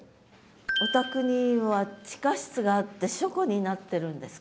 お宅には地下室があって書庫になってるんですか？